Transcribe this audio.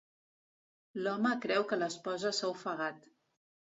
L'home creu que l'esposa s'ha ofegat.